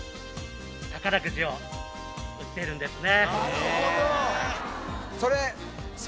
宝くじを売っているんですね